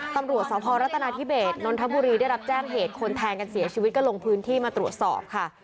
ตำรวจสพรัฐนาธิเบสนนทบุรีได้รับแจ้งเหตุคนแทงกันเสียชีวิตก็ลงพื้นที่มาตรวจสอบค่ะ